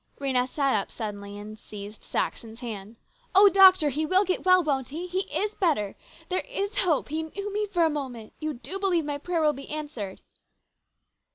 241 Rhena sat up suddenly and seized Saxon's hand. " Oh, doctor, he will get well, won't he ? He is better ? There is hope ? He knew me for a moment ! You do believe my prayer will be answered